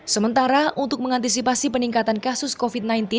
sementara untuk mengantisipasi peningkatan kasus covid sembilan belas